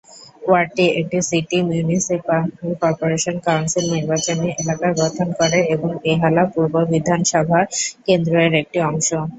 ওয়ার্ডটি একটি city municipal corporation council নির্বাচনী এলাকা গঠন করে এবং বেহালা পূর্ব বিধানসভা কেন্দ্র এর একটি অংশ।